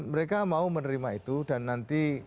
mereka mau menerima itu dan nanti